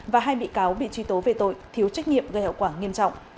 và hai bị cáo bị truy tố về tội thiếu trách nhiệm gây hậu quả nghiêm trọng